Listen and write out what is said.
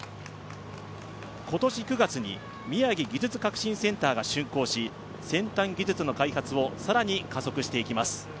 今年９月に宮城技術革新センターが完成し、先端技術の開発をさらに加速していきます。